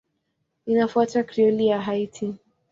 Inafuata Krioli ya Haiti.